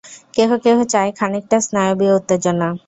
কেহ কেহ চায় খানিকটা স্নায়বীয় উত্তেজনা।